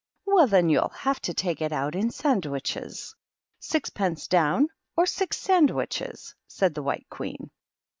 " Well, then you'll have to take it out in sand wiches. Sixpence down or six sandwiches," said the White Queen.